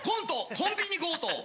「コンビニ強盗」。